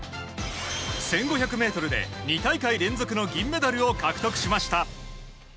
１５００メートルで２大会連続の銀メダルを獲得しました。